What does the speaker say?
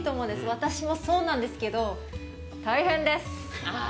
私もそうなんですけど、大変です！